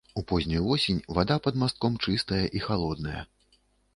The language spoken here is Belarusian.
У познюю восень вада пад мастком чыстая і халодная.